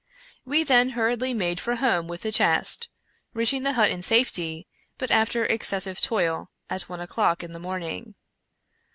We then hurriedly made for home with the chest; reaching the hut in safety, but after excessive toil, at one o'clock in the morning.